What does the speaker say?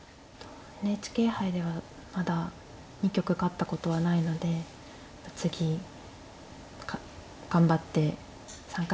ＮＨＫ杯ではまだ２局勝ったことはないので次頑張って３回戦進めるよう頑張りたいと思います。